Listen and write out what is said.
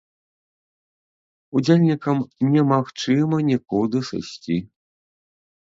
Удзельнікам немагчыма нікуды сысці.